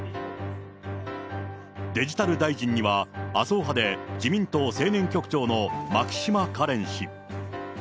デジタル大臣には、麻生派で、自民党青年局長の牧島かれん氏。